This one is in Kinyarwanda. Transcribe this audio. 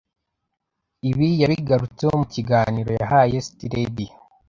Ibi yabigarutseho mu kiganiro yahaye City Radio